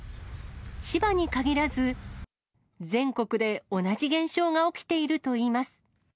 千葉にかぎらず、全国で同じ現象が起きているといいます。